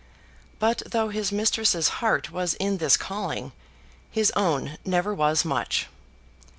But though his mistress's heart was in this calling, his own never was much.